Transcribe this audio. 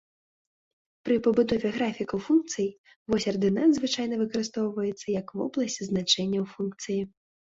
Пры пабудове графікаў функцый, вось ардынат звычайна выкарыстоўваецца як вобласць значэнняў функцыі.